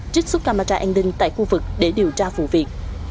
trích xuất camera an ninh tại khu vực để điều tra vụ việc